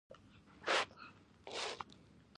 د میرمنو کار او تعلیم مهم دی ځکه چې کورنۍ پلان مرسته کوي.